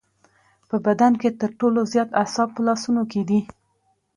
په بدن کې تر ټولو زیات اعصاب په لاسونو کې دي.